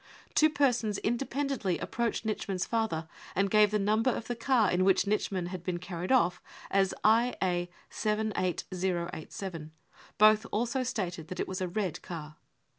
Two persons independently approached Nitschmann's father and gave the number of the car in which Nitschmann had been carried off as IA 78087 ; both also stated that it was a red car.